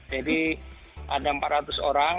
jadi ada empat ratus orang